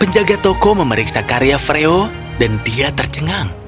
penjaga toko memeriksa karya freo dan dia tercengang